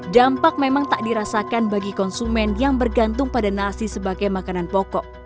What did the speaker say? dampak memang tak dirasakan bagi konsumen yang bergantung pada nasi sebagai makanan pokok